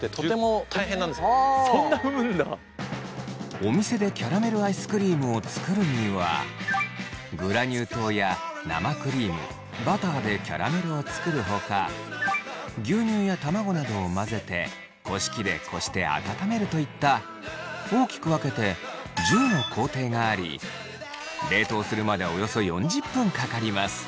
お店でキャラメルアイスクリームを作るにはグラニュー糖や生クリームバターでキャラメルを作るほか牛乳や卵などを混ぜてこし器でこして温めるといった大きく分けて１０の工程があり冷凍するまでおよそ４０分かかります。